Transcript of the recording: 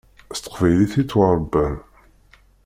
S teqbaylit i ttwaṛebban.